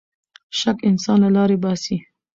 شک انسان له لارې باسـي.